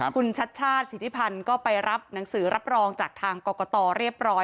คุณชัดชาติสิทธิพันธ์ก็ไปรับหนังสือรับรองจากทางกรกตเรียบร้อย